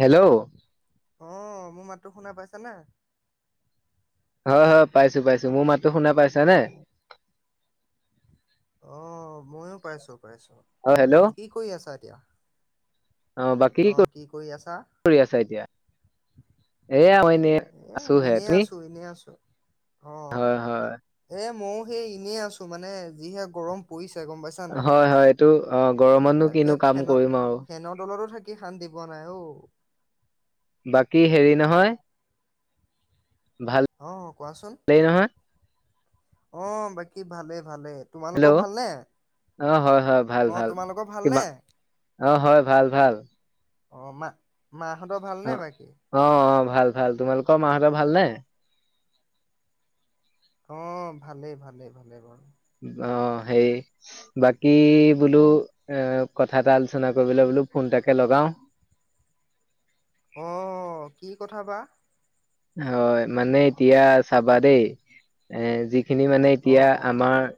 Hello অ মোৰ মাতটো শুনা পাইছ না? হয় হয় পাইছো পাইছো। মোৰ মাতো শুনা পাইছানে? অ মইয়ো পাইছো। পাইছোঁ। অ হেল্ল' কি কৰি আছা? দিয়া অ বাকী কৰি আছা এতিয়া? এ আ এনে এ আছোহে। এনেই তুমি? আছো এনেই আছো অ হয়, হয়। এ মইো সেই এনেই আছো মানে যিহে গৰম পৰিছ। ছে গম পাইছা নাই? তো, অহ, গৰমতো কিনো কাম কৰিম আৰু। কি শান্তি পোৱা নাই অঔ। বাকী হেৰি নহয়, ভালেই অহ, কোৱাচোন? নহয় অ', বাকী ভালে -ভালে। হেল্ল' অহ, হয় -হয়, ভাল অ -ভাল তোমালোকৰ কি, ভালনে অ', হয়- ভাল- ভাল। অ, মা, মাহঁতৰ অ ভালনে বাকী? অ অ ভাল- ভাল তোমালোকৰ মাহঁতৰ ভালনে? অহ, ভালেই- ভালেই -ভালে বাৰু। অ', সেই বাকী বোলো এ, কথা এটা আলোচনা কৰিবলৈ বোলো ফোনটাকে লগাও। অহ, কি কথা বা? হয় মানে এতিয়া চাবা দেই এ, যি, যিখিনি মানে অ এতিয়া অ আমাৰ,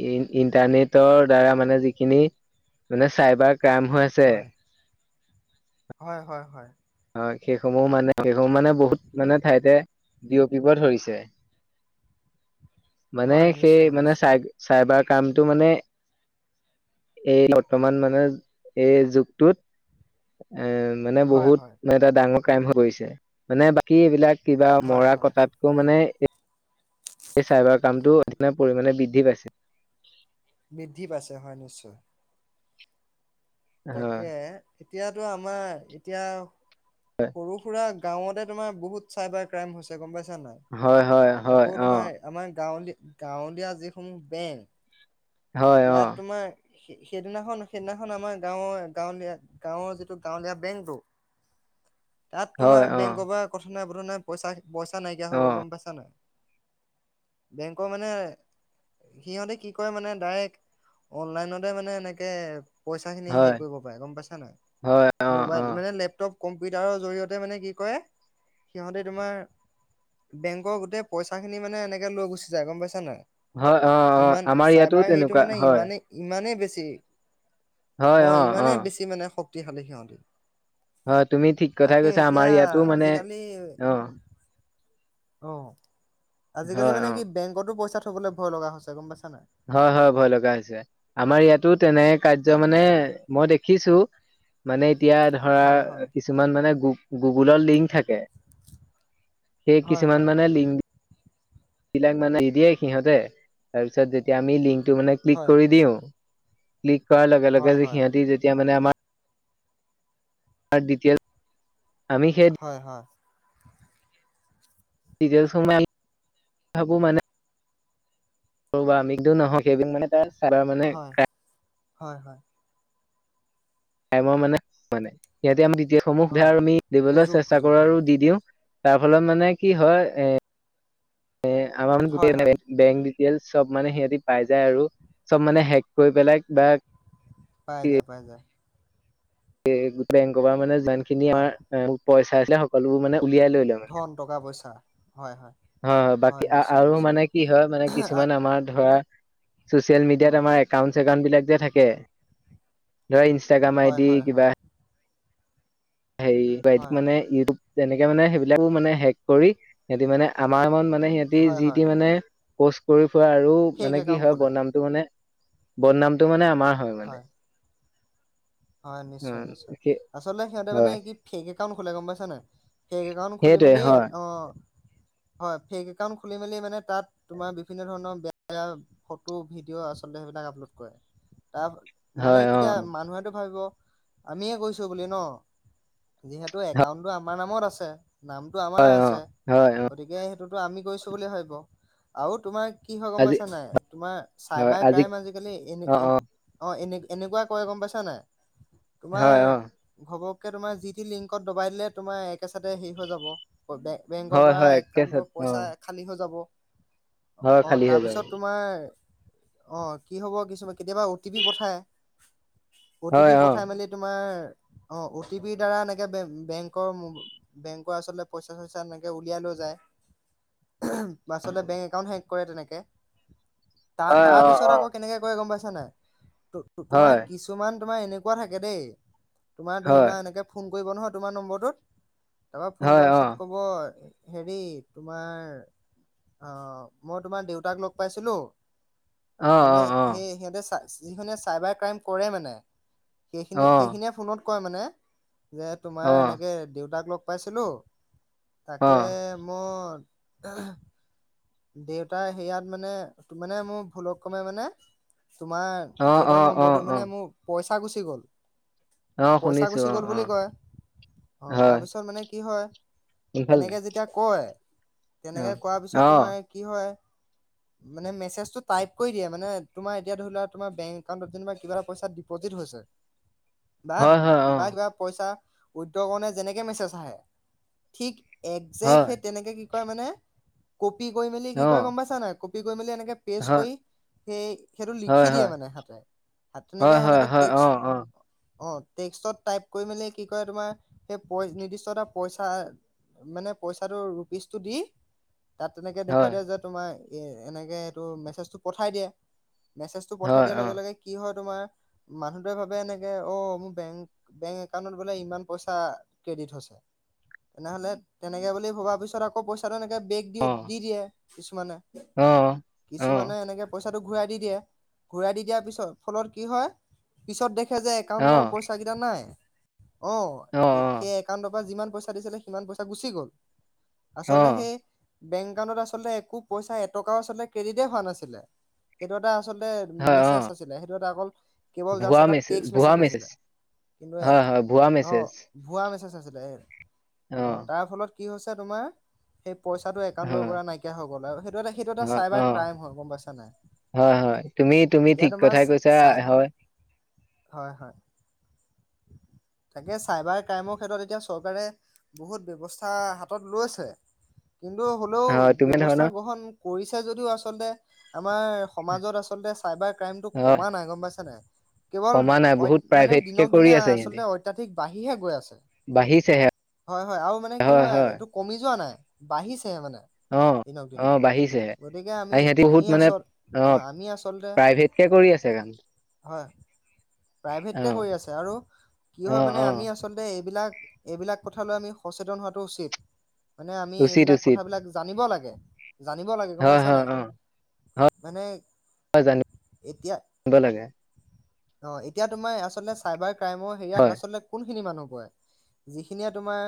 ইণ্টাৰনেটৰ দ্বাৰা, মানে যিখিনি মানে চাইবাৰ, ক্ৰাইম হৈ আছে। হয়, হয়- হয়- হয় হয়, সেইসমূহ মানে -সেইসমূহ মানে বহুত মানে ঠাইতে বিয়পিব ধৰিছে। মানে হয়, সেই নিশ্চয়, মানে চ নিশ্চয়, - চাইবাৰ, কামটো মানে এই বৰ্তমান মানে এই যুগটোত, এ, মানে হয়, বহুত, হয়, এটা ডাঙৰ ক্ৰাইম হৈ পৰিছে, মানে বাকী এইবিলাক, কিবা হয়, মৰা- হয়। কটাতকও মানে এই চাইবাৰ কামটো অধিক পৰিমানে বৃদ্ধি পাইছে। বৃদ্ধি পাইছে হয়, নিশ্চয়। হয় তাকে, এতিয়াতো আমাৰ এতিয়া সৰু - সুৰা, গাঁৱতে তোমাৰ বহুত চাইবাৰ -ক্ৰাইম হৈছে গম পাইছা, ছা নাই হয় হয় হয় আকৌ অ তোমাৰ আমাৰ গাঁৱলীয়, গাঁৱলীয়া যিসমূহ বেংক, হয় অ ইয়াত তোমাৰ, সেই -সেইদিনাখন -সেইদিনাখন আমাক, গাঁৱৰ গাঁৱলীয়া, গাঁৱৰ যিটো গাঁৱলীয়া বেংকটো, তাত তোমাৰ হয় অ বেংকৰ পৰা কথা নাই নে পইচা পইচা নাইকিয়া অ হৈ'ল গম পাইছা নে? বেংকৰ মানে সিহতে কি কৰে মানে ডাইৰেক্ট অনলাইনতে মানে এনেকেচা ক খিনি হেৰি হয়, কৰিব পাৰে গম পাইছা হয়, নহ অ', মোবাইল অ', মানে লেপটপ কম্পিউটাৰৰ জৰিয়তে মানে কি কৰে সিহঁতে তোমাৰ বেংকৰ গোটেই পইচা খিনি মানে এনেকে লৈ গুচি যায় গম পাইছা নায় হয় অ অ আমাৰ ইয়াতো তেনেকুৱা মানে হয় ইমানেই [unintelligible] অ ইমানে বেছি মানে শক্ত খালে সিহঁতে অ তুমি ঠিক কথাই কৈছা আমাৰ ইয়াতো মানে আজিকালি অ অঁঃ আজিকালি হয়, মানে অ', কি বেংকতো পইচা থবলৈ ভয় লগা হৈছে। নাই হয় হয় ভয় লগা হৈছে আমাৰ ইয়াতো তেনে কাৰ্য তাকে মানে তাকে মই দেখিছো মানে এতিয়া ধৰা হয় হয় কিছুমান মানে গ্ৰপ গুগুলৰ লিংক থাকে সেই হয় হয় কিছুমান মানে লিংক এই বিলাক মানে দি দিয়ে সিহঁতে তাৰ পিছত যেতিয়া আমি লিংক এইটো মানে ক্লিক হয় কৰি দিওঁ ক্লিক কৰাৰ লগে লগে হয় যে সিহঁতি যেতিয়া মানে আমাৰ আৰু ডিটেইল আমি সেই হয় হয়। [unintelligible] মানে থাকো মানে। চাৰা মানে হয়, হয় হয় ইমৰ মানোনে সিহতে আমি গোটেই সমূহ সোধৈ হয়। আমি দিবলৈ সুযোগ চেষ্টা সুযোগ কৰো হয়, আৰু দি দিওঁ। তাৰ ফলত মানে কি হয় এ এ আমাৰ হয়, হয়, গোটেই বেং ডিটেইল চব মানে সিহঁতি পাই যায় আৰু চব মানে হেক কৰি পেলাই কিবা পাই যায় পাই যায় এ গোটেই বেংকৰ মানে ইমান খিনি হয়। আমাৰ পইচা খাই সকলোবোৰ মানে উলিয়াই লৈ ল মানে। ধন, টকা, পইচা, হয়, হয় হয় বাকী নিশ্চয়, আৰু নিশ্চয়। মানে কি হয়, মানে আ- কিছুমান আমাৰ ধৰা ছ'চিয়েল মিডিয়াত অ', আমাৰ একাউণ্ট ইষ্টাগাম বিলাক যে থাকে। ধৰা ইনষ্টাগ্ৰাম আই হয়, ডি হয়, কিবা হয়, সেই ইত হয়, মানে ইউটিউব যেনেকে মানে সেইবিলাকো মানে শেষ কৰি, সিহঁতি মানে আমাৰ মন মানে সিহঁতি হয়, যি হয়, টি মানে পষ্ট কৰি পোৱা আৰু ফেক মানে কি একাউণ্ট হয় খোলে, বদনামটো মানে বন নামটো মানে আম মাৰ, হয়, মানে। হয়, নিশ্চয়, উম, নিশ্চয় সেই আচলতে সিহঁত মানে হয় কি ফেক্ একাউণ্ট খোলে গম পাইছা নাই? [inaudible] একাউণ্ট খুলি, সেইটোৱে মেলি হয় অ। হয় ফেক একাউণ্ট খুলি মেলি, মানে তাত তোমাৰ বিভিন্ন ধৰণৰ বেয়া, বেয়া ফটো ভিডিঅ' আচলতে সেইবিলাক আপলোড কৰে। তাৰ মানে হয় কেতিয়া অ'। মানুহে? ভাবিব আমিয়ে কৈছো বুলি ন। যিহেতু একাউণ্টটো আমাৰ নামত আছে। নামটো আমাৰ হয় অ' আছে, হয় অ' গতিকে টোতো আমি গৈছো বুলি ভাবিব, আৰু তোমাৰ কি হয় গম আজি পাইছা নাই, তোমাৰ হয় চাইবাৰ আজি ক্ৰাইম আজিকালি এনে অ' এ অ' অ, এনে এনেকুৱা কয় গম পাইছা নাই। তোমাৰ হয় অ'। ঘপক। ত-তোমাৰ যি, তি লিংকত দবাই দিলে, তোমাৰ একে চাতে হেৰি হৈ যাব। বেংকৰ হয় পৰা হয় একে চত একাউণ্টৰ অ' পইচা খালী হৈ যাব। হয় অ, খালী হৈ যাব তাৰপিছত তোমাৰ? অ, কি হ'ব কিছুমান কেতিয়াবা অ' টি পি পঠাই। অ'টি হয় পি অ'। পঠাই মেলি তোমাৰ অ', অ' টি পিৰ দ্বাৰা এনেকে বেংকৰ, বেংকৰ আচলতে পইচা-চইচা এনেকে উলিয়াই লৈ যায় আচলতে বেংক একাউণ্ট হেক কৰে তেনেকে। ত, হয় তাৰ অ' পিছত অ' আকৌ কেনেকে কৰে গম পাইছ? চা নাই [inaudible] তোমাৰ হয় কিছুমান? তোমাৰ এনেকুৱা থাকে দেই। তোমাৰ ধৰি হয় লোৱা এনেকে ফোন কৰিব নহয় তোমাৰ নম্বৰটোত। তাৰপৰা ফোন হয় কৰাৰ অ' পিছত ক'ব? হেৰি তোমাৰ অ, মই তোমাৰ দেউতাক লগ পাইছিলো। অ' মানে অ' অ' সেই সিহঁতে চ যিখনে চাইবাৰ ক্ৰাইম কৰে মানে। অ' অ' সেইখিনিয়ে-সেইখিনিয়ে ফোনত কয়, মানে। যে অ' তোমাৰ অ' এনেকে দেউতাক লগ পাইছিলোঁ, তাকে অ' মোৰ আহ [unintelligible] দেউতাৰ সেয়াত মানে-মানে মোৰ ভুলক ক্ৰমে মানে তোমাৰ দেতাৰ অ' নম্বৰটোত অ' মানে অ' মোৰ পইচা চ গুচি গ'ল। অ পইচা শুনিছো গুচি অ গ'ল অ বুলি কয় অ হয় তাৰপিছত মানে কি কি হয়? ইফাল তেনেকে যেতিয়া কয়। অ তেনেকে কৰা অ পিছত তোমাৰ কি হয়? মেছেজ টো টাইপ কৰি দিয়ে। মানে তোমাৰ ধৰি লোৱা বেং একাউণ্ট টো কিবা এটা পইচা ডিপজিট হৈছে। হয় হয় অ বা-বা কিবা পইচা উদয়গনে যেনেকে মেছেজ আহে ঠিক একজেক্ট হয় সেই তেনেকে কি কয় মানে কপি কৰি মেলি কি অ কয় গম পাইচানাই? কপি গ মেল এনেক পেজ হয় কৰি সেই সেইটো হয় লিখি দিয়ে মানে হাতে তেনেকে হয় হয় সেনেকে হয় হয় টেক্স অ অ অ', টেক্সত টাইপ কৰি মেলি কি কৰে তোমাৰ সেই নিৰ্দিষ্ট এ পইচা মানে পইচাটো ৰুপিচটো দি। তাত তেনেকে হয় দেখুৱাইয়ে যে তোমাৰ এ এনেকে এইটো মেছেজটো পঠাই দিয়ে। মেছেজ টো পঠাই হয় দিয়াৰ অ লগে-লগে কি হয়? তোমাৰ মানুহটোৱে ভাবে এনেকে অঁ মোৰ বেংক বেংক একাউন্টত বোলে ইমান পইচা ক্ৰেডিট হৈছে, তেনেহলে তেনেকে বুলি ভবা পিছত আকৌ পইচাটো এনেকে অ দি দিয়ে কিছুমানে অ অ কিছুমানে এনেকে পইচাঁটো- দ পিছত ফলত কি হয় যে অ একাউণ্টৰ পইচা কেইটা নাই অঁ অ অ স সেই একাউণ্টৰ পৰা যিমান পইচাঁ দিছিলে সিমান পইচা গুচি গ'ল। অ আচলতেই সে বেংক একাউণ্টত আচলতে একো পইচাঁ এটকাওঁ আচলতে ক্ৰেডিতে হোৱা নাছিলে সটো এটা মে হয় অ আছিল সেইটো এটা অকল কেৱল ভুৱা মেছেজ এটােক মে ভুৱা আছিলে মেছেজ কিন্তু হয় হয় ভুৱা অঁ মেছেজ ভুৱা মেজ আছিল। ছিল অ অঁ তাৰ ফলত কি হৈছে তোমাৰ? টো একাউণ্ট হয় হৈ গ'ল সেইটো এটা হয় চাইবা অ ক্ৰাইম হয় গম‌ পায়ছানে নাই? হয় হয় তুমি তুমি এতিয়া ঠিক তোমাৰ কথাই কৈছা হয় হয় হয়। তাকে চাইবাৰ ক্ৰাইমৰ ক্ষেত্ৰত এতিয়া চৰকাৰে বহুত ব্যৱস্থা হাতত লৈছে। কিন্তু হ'লেও হয় তুমি ব্যৱস্থা ধৰণৰ গ্ৰহণ কৰিছে যদিও আচলতে। আমাৰ সমাজত আচলতে চাইবাৰ ক্ৰাইমটো হয় কমা নাই গম পাইছেনে নাই। কেৱল কমা নাই বহুত মানে প্ৰাইভেট কে দিনক দিনে কৰি আছে সিহঁতি আচলতে অত্যাধিক বাঢ়িহে গৈ আছে। বাঢ়িছেহে হয় হয় আৰু মানে কি হয় এইটো মানে কমি যোৱা নাই। বাঢ়িছে মানে- অঁ দিনক দিনে অঁ বাঢ়িছেহে গতিকে আমি আৰু সিহঁতি আমি বহুত মানে আচল অ অঁ আমি আচলতে প্ৰাইভেটকে কৰি আছে কাম। হয় প্ৰাইভেটকে অ', কৰি আছে আৰু কি হয় অ', মানে অ', আমি আচলতে এইবিলাক। এইবিলাক কথালৈ আমি সচেতন হোৱাটো উচিত মানে আমি উচিত এইবিলাক উচিত কথাবিলাক জানিব লাগে। উম। জানিব লাগে গম হয়, পাইছানে নাই। মানে জানি ব লাগে অঁ এতিয়া তোমাৰ আচলতে চাইবাৰ ক্ৰমৰ হেয়াত হয়, আচলতে কোনখিনি মানুহ হয় যিখিনিয়ে তোমাৰ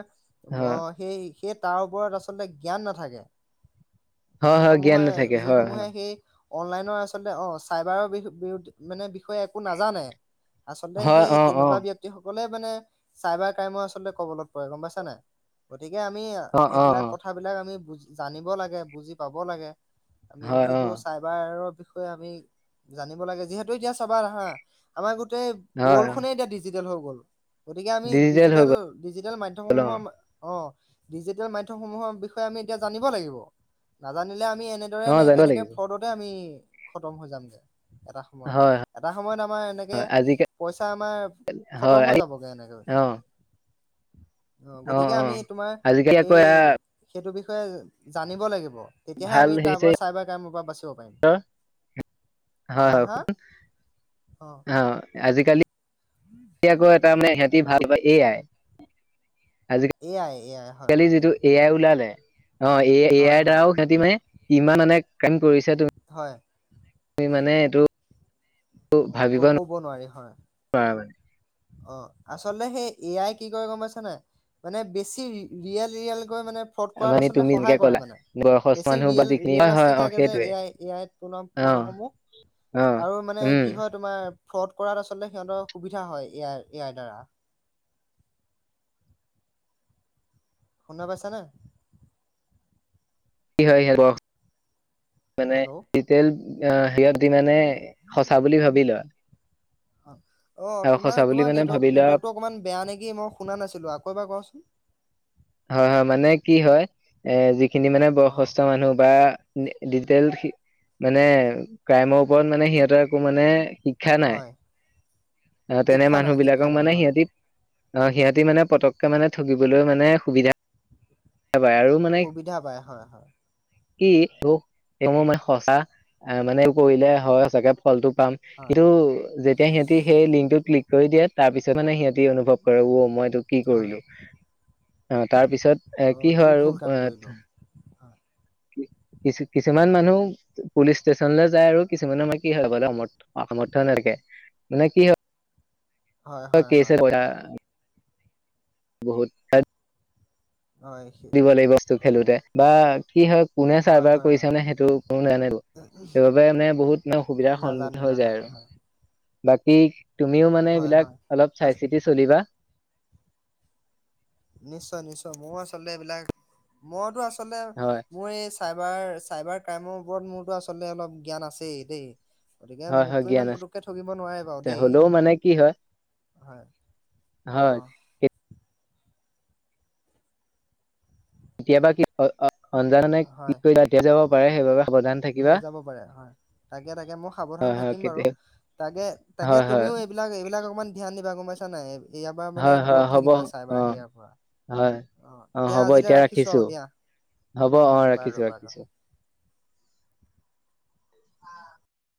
হয়, মই সেই সেই তাৰ ওপৰত আচলতে জ্ঞান নাথাকে হয়, হয়, জ্ঞান যিসমূহে নাথাকে হয়, যিসমূহে হয়, সেই অনলাইনৰ আচলতে অ চাইবাৰৰ বি বি মানে বিষয়ে একো নাজ- জানে আচলতে হয়, সেই অ', তেনেকুৱা অ', ব্যক্তি সকলে মানে চাইবাৰ ক্ৰাইমৰ আচলতে কবলত পৰে গম পাইছা নাই গতিকে আমি অ', অ', সেইবিলাক অ', কথাবিলাক আমি বুজি জানিব লাগে বুজি পাব লাগে আমি হয়, সেইবোৰ অ', চাইবাৰৰ বিষ- বিষয়ে আমি জানিব লাগে যিহেতু এতিয়া চাবা না হা আমাৰ গোট গোটে হয়, ৱৰ্ল্ড অ', খনেই এতিয়া ডিজি- টেল হৈ গ'ল। গতিকে আমি ডিজিটেল, ডিজিটেল মধ্যম গ'ল অ', সমূহৰ অ। ডিজিটেল মাধ্যমসমূহৰ বিষয়ে আমি এতিয়া জানিব লাগিব। নাজানিলে আমি। আমি এনেদৰে অ', এনে জানিব এনেকে লাগিব হয়, ফ্ৰডতে আমি। খতম হৈ যাম দে। এটা সময়ত, হয়, এটা সময়ত। আমাৰ এনেকে আজিকালি পইচা আমাৰ হয়, খতম হৈ আজি যাবগে এনেকৈ। অ', অ', গতিকে আমি তোমাৰ আজিকালি আকৌ সেই এয়া সেইটো বিষয়ে। জানিব লাগিব। তেতিয়াহে ভাল আমি হেৰি তাৰপৰা চাইবাৰ কাইমৰ পৰা বাছিম। [unintelligible] হয় হা হয় হা শুন। অ', আজিকালি। এ আকৌ এটা মানে সিহঁতি ভাল পায় এ আই। এয়াই। এয়াই হয় আজিকালি হয় যিটো এ আই ওলালে। অ', এ, এ হয় আই দাৰা হয় ও সিহতি মানে। ইমান মানে কেন কৰিছে। হয়। তুমি মানে এইটো। ভাবিব ক ক'ব নোৱাৰি হয়। [unintelligible] অ', আচলতে সেই এ আই কি কৰে গম পাইছা নাই? মানে বেছি ৰিয়েল ৰিয়েল। ফ্ৰড কৰাত মানে আচলতে তুমি যেনেকে সহায় কৰে ক'লা মানে। বয়সস্থ বেছি মানুহ বা ৰিয়েল যিখিনি হয় হয় ৰিয়েলাষ্টিক অ লাগে যে সেইটোৱে এ আই, এ আই বনোৱা অ ফটোসমূহ, অ আৰু মানে উম কি হয় তোমাৰ। ফ্ৰড কৰাত আচলতে সিহঁতৰ সুবিধা হয়। এ আই, এ আই দ্বাৰা। শুনা পাইছানে? কি হয় [unintelligible] মানে হেল্ল' ডিতেল। য়া হিয়ত। মানে সঁচা বুলি ভাবি লয়। অহ। অ আৰু তোমাৰ সঁচা বুলি তোমাৰ মানে ভাবি নেটৱৰ্ক লোৱা নেটৱৰ্কটো অকমান বেয়া নেকি মই শুনা নাছিলো আকৌ এবাৰ কোৱাছোন। হয় হয় মানে কি হয়, এ যি খিনি মানে অ বয়সস্থ মানুহ বা ডিজিটেল সি মানে ক্ৰাইমৰ ওপৰত মানে সিহঁতৰ একো মানে শিক্ষা নাই হয় [inaudible] অহ তেনে শিক্ষা নাই শিক্ষা মানুহবিলাকক নাই মানে হয় সিহঁতি নহয় সিহঁতি মানে পতককে মানে ঠগিবলৈ মানে সুবিধা পায় আৰু মানে সুবিধা পায় হয় হয়। কি অ। মোৰ হয় মানে সঁচা অ মানে উপৰিলে হয় চাগে। ফলটো পাম হয় কিন্তু যে এতিয়া সিহঁতি সেই লিংকটোত ক্লিক কৰি দিয়ে, তাৰ পিছত মানে সিহঁতি অনুভৱ কৰে ঔ মই এইটো কি হয় কৰিলো! [inaudible] অ তাৰপিছত এ অ কি হয় ভুল আৰু কাম কৰিলো এ। হয় [unintelligible] কিছু কিছুমান মানুহ পুলিচ ষ্টেচনলৈ যায় আৰু কিছুমানৰ মানে কি হয় যাবলৈ সামৰ্থ্যই নাথাকে। মানে কি হয় হয় হয় হয় [unintelligible] বহুত [unintelligible] হয় সে- দিব লাগিব বস্তু। খেলোতে বা কি হয় কোনে হয় চাৰ্ভাৰ হয় কৰিছে হয় মানে সেইটো কোনো নাজানেতো সেইবাবে মানে বহুত মানে অসুবিধাৰ নাজানে সন্মুখা হৈ যায় নাজানে আৰু হয় বাকী তুমিও মানে হয় এইবিলাক হয় অলপ আচ চাই চিতি চলিবা নিশ্চয় নিশ্চয় মও আচলতে এইবিলাক মইতো আচ চলতে হয় মই চি চাইবাৰ চাইবাৰ ক্ৰাইমৰ ওপৰত মোৰতো আচলতে অলপ জ্ঞান আছেই দেই গতিকে হয় হয় মোকতো জ্ঞান ইমান আছে পুতুককে ঠগিব নোৱাৰে বাৰু দেই হ'লেও মানে কি হয় হয় অ হয় কেতিয়াবা কি হয় অ অঞ্জাননে কি হয় কৰিবা এতিয়া যে অ'ক [unintelligible] হৈ যাব পাৰে হয় তাকে তাকে মই সাৱধান হয় হয় থাকিম বাৰু কেতিয়া তাকে তাকে হয় হয় তুমিও এইবিলাক এইবিলাক অকমান ধ্যান দিবা গম পাইছা। [unintelligible] ইয়াৰবাৰ মানে হয় হয় দূৰত হ'ব থাকিবা অ চাইবাৰ সেয়াৰ পৰা হয় অ তেতিয়া আজিলৈ ৰাখিছো আৰু দিয়া হ'ব অ উম ৰাখিছো বাৰু বাৰু ৰাখিছো [inaudible]